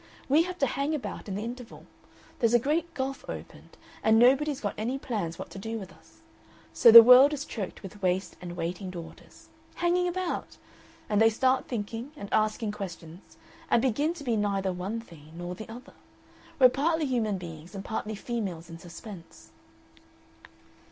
We have to hang about in the interval. There's a great gulf opened, and nobody's got any plans what to do with us. So the world is choked with waste and waiting daughters. Hanging about! And they start thinking and asking questions, and begin to be neither one thing nor the other. We're partly human beings and partly females in suspense."